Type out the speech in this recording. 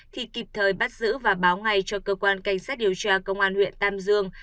thì kịp thời bắt giữ và báo ngay cho cơ quan cảnh sát điều tra công an huyện tam dương